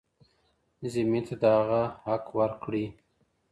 ذمي ته د هغه حق ورکړئ.